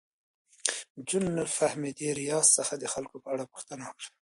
جون له فهمیدې ریاض څخه د خلکو په اړه پوښتنه وکړه